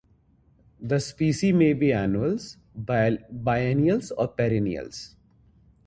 The species may be annuals, biennials or perennials.